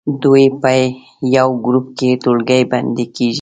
دوی په یوه ګروپ کې ټولګی بندي کیږي.